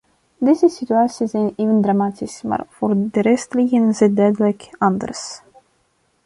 Deze situaties zijn even dramatisch, maar voor de rest liggen ze duidelijk anders.